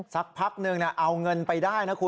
สักพักนึงเอาเงินไปได้นะคุณ